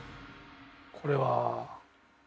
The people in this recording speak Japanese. これは。